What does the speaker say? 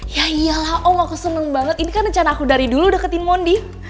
ya iyalah oh aku seneng banget ini kan rencana aku dari dulu deketin mondi